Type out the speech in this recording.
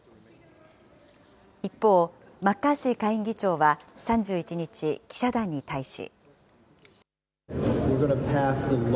一方、マッカーシー下院議長は３１日、記者団に対し。